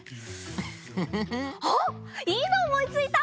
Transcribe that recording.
あっいいのおもいついた！